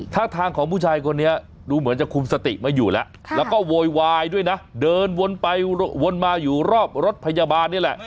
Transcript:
ท่าทางของผู้ชายคนนี้ดูเหมือนจะคุมสติไม่อยู่แล้วแล้วก็โวยวายด้วยนะเดินวนไปวนมาอยู่รอบรถพยาบาลนี่แหละ